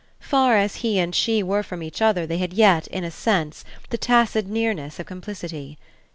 Far as he and she were from each other they yet had, in a sense, the tacit nearness of complicity.